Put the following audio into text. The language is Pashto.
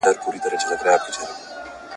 د دې پوښتني ځواب پیدا کړه.